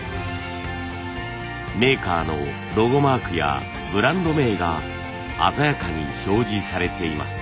メーカーのロゴマークやブランド名が鮮やかに表示されています。